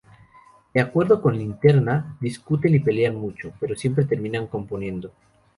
De acuerdo con Linterna, discuten y pelean mucho, pero siempre terminan componiendo.